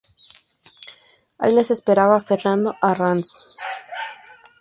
Allí les esperaba Fernando Arranz.